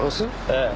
ええ。